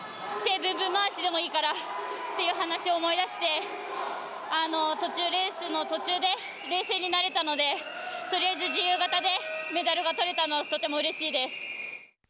ブンブン回しでもいいからっていう話を思い出してレースの途中で冷静になれたのでとりあえず自由形でメダルがとれたのはとてもうれしいです。